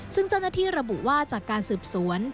ซึ่งเจ้าหน้าที่ระบุว่าจากการสืบสวน